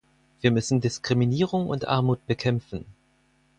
Wir müssen Diskriminierung und Armut bekämpfen.